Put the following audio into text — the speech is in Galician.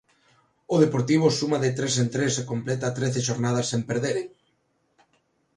O Deportivo suma de tres en tres e completa trece xornadas sen perderen.